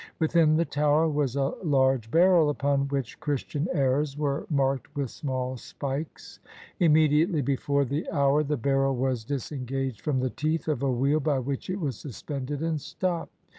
Within the tower was a large barrel upon which Christian airs were marked with small spikes. Immediately before the hour the barrel was disengaged from the teeth of a wheel, by which it was suspended and stopped.